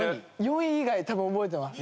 ４位以外多分覚えてます。